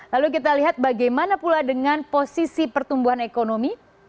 lalu kita lihat bagaimana pula dengan posisi pertumbuhan ekonomi